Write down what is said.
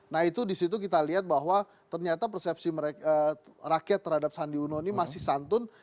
nah itu disitu kita lihat bahwa ternyata persepsi rakyat terhadap sandi uno ini masih santun